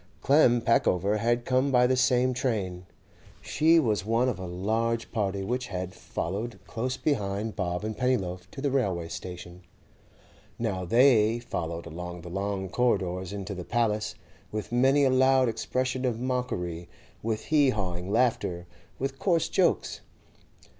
Clem Peckover had come by the same train; she was one of a large party which had followed close behind Bob and Pennyloaf to the railway station. Now they followed along the long corridors into the 'Paliss,' with many a loud expression of mockery, with hee hawing laughter, with coarse jokes.